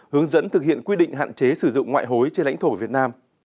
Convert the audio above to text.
hướng dẫn thực hiện quy định hạn chế sử dụng ngoại hối trên lãnh thổ việt nam